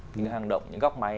những cái hang động những góc máy